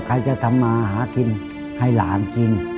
ใครจะทำมาหากินให้หลานกิน